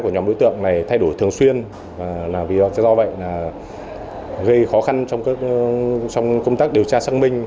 nhóm đối tượng này thay đổi thường xuyên do vậy gây khó khăn trong công tác điều tra xác minh